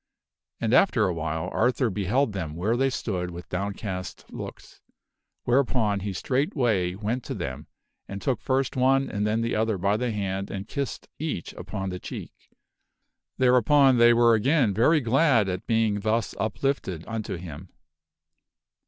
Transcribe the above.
And, after awhile, Arthur' beheld them where they stood with downcast looks, whereupon he straight way went to them and took first one and then the other by the hand and kissed each upon the cheek. Thereupon they were again very glad at being thus uplifted unto him.